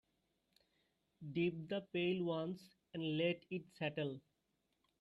Dip the pail once and let it settle.